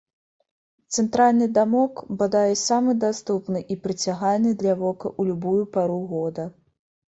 Цэнтральны дамок, бадай, самы даступны і прыцягальны для вока ў любую пару года.